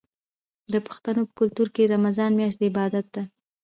د پښتنو په کلتور کې د رمضان میاشت د عبادت ده.